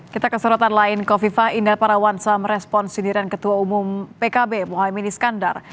kita keserotan lain kofifa indah parawansa merespon sindiran ketua umum pkb mohaimin iskandar